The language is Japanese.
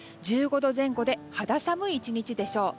１５度前後で肌寒い１日でしょう。